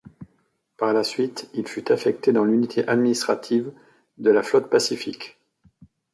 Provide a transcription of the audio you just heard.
Par la suite il fut affecté dans l'unité administrative de la Flotte Pacifique.